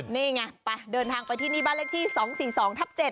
นี่ไงไปเดินทางไปที่นี่บ้านเลขที่๒๔๒ทับ๗